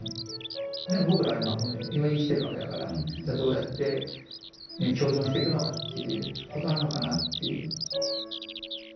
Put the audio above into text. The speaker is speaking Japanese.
でも僕らは今この今生きてるわけだからじゃあどうやって共存していくのかっていうことなのかなっていう。